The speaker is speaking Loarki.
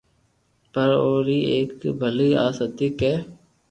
پر او ري ايڪ ڀلي آست ھتي ڪي